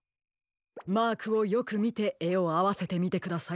マークをよくみてえをあわせてみてください。